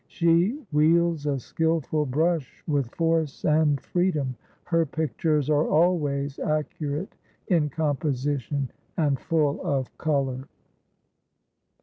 She wields a skilful brush with force and freedom; her pictures are always accurate in composition and full of colour.